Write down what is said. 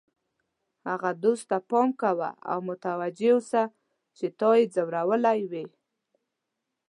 هغه دوست ته پام کوه او متوجه اوسه چې تا یې ځورولی وي.